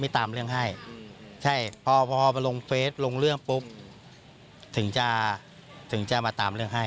แต่พอไปลงเฟสลองเรื่องปุ๊บถึงจะมาตามเรื่องให้